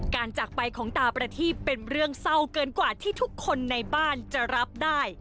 จากไปของตาประทีบเป็นเรื่องเศร้าเกินกว่าที่ทุกคนในบ้านจะรับได้